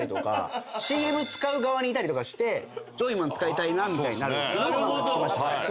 いたりとかしてジョイマン使いたいなみたいになるってのも聞きました。